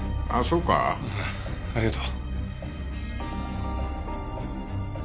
うんありがとう。